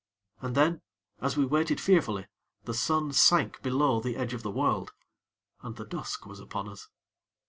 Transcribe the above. And then, as we waited fearfully, the sun sank below the edge of the world, and the dusk was upon us.